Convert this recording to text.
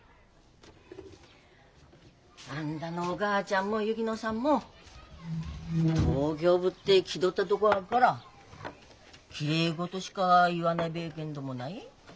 あんたのお母ちゃんも薫乃さんも東京ぶって気取ったとこあっからきれいごとしか言わねえべえけんどもない。